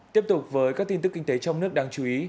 tiếp tục với các tin tức kinh tế trong nước đáng chú ý